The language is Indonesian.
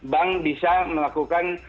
bank bisa melakukan